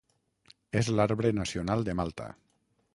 És l'arbre nacional de Malta.